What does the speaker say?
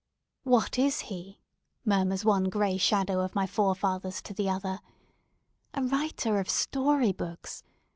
"What is he?" murmurs one grey shadow of my forefathers to the other. "A writer of story books!